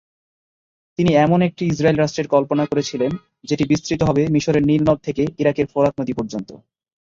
তিনি এমন একটি ইসরাইল রাষ্ট্রের কল্পনা করেছিলেন যেটি বিস্তৃত হবে মিশরের নীল নদ থেকে ইরাকের ফোরাত নদী পর্যন্ত।